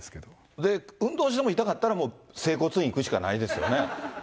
で、運動しても痛かったら、もう整骨院行くしかないですよね。